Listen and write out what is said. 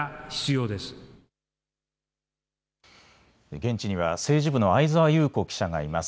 現地には政治部の相澤祐子記者がいます。